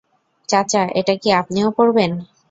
চাচা, এটা কি আপনিও পড়বেন?